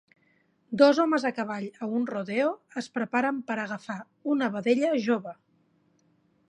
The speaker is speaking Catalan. Dos homes a cavall a un rodeo es preparen per agafar una vedella jove.